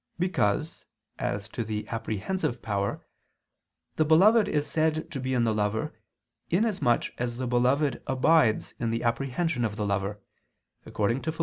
Because, as to the apprehensive power, the beloved is said to be in the lover, inasmuch as the beloved abides in the apprehension of the lover, according to Phil.